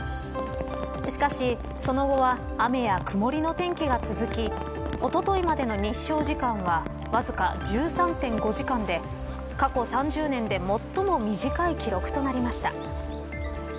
しかし、その後は雨や曇りの天気が続きおとといまでの日照時間はわずか１３．５時間で過去３０年で最も短い記録となりました。